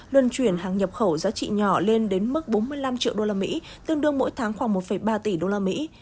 luân chuyển hàng nhập khẩu giá trị nhỏ lên đến mức bốn mươi năm triệu đô la mỹ tương đương mỗi tháng khoảng một ba tỷ đô la mỹ